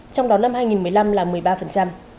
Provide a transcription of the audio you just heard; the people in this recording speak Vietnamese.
trong đó năm hai nghìn một mươi năm là một mươi ba